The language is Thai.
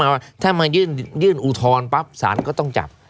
แต่ถ้ามายื่นอูทรปั๊บสารก็ต้องจับ